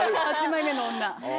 ８枚目の女。